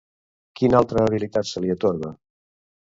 Quina altra habilitat se li atorga?